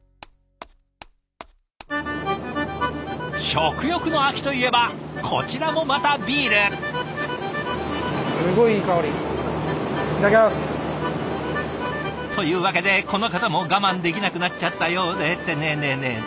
食欲の秋といえばこちらもまたビール！というわけでこの方も我慢できなくなっちゃったようでってねえねえねえ！